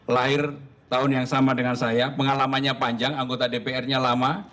lahir tahun yang sama dengan saya pengalamannya panjang anggota dpr nya lama